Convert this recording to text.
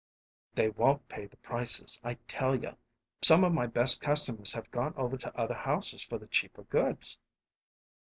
"They won't pay the prices, I tell you. Some of my best customers have gone over to other houses for the cheaper goods."